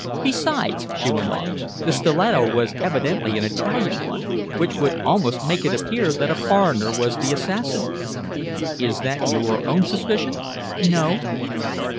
"Besides," she went on, "the stiletto was evidently an Italian one, which would almost make it appear that a foreigner was the assassin." "Is that your own suspicion?" "No."